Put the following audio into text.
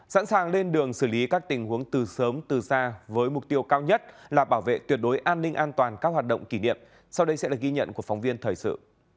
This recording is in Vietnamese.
sẵn sàng lên đường xử lý các tình huống từ sớm từ xa với mục tiêu cao nhất là bảo vệ tuyệt đối an ninh an toàn các hoạt động kỷ niệm sau đây sẽ là ghi nhận của phóng viên thời sự